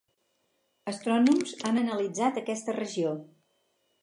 Astrònoms han analitzat aquesta regió.